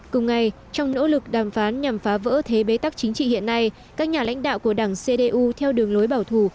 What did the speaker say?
cùng ngày trong nỗ lực đàm phán nhằm phá vỡ thế bế tắc chính trị hiện nay các nhà lãnh đạo của đảng cdu theo đường lối bảo thủ